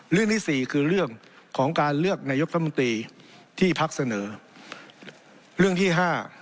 เรื่องที่สี่คือเรื่องของการเลือกนายกรัฐมนตรีที่พักเสนอเรื่องที่ห้า